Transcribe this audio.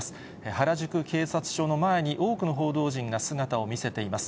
原宿警察署の前に多くの報道陣が姿を見せています。